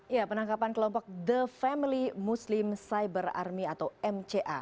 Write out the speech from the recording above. ya penangkapan kelompok the family muslim cyber army atau mca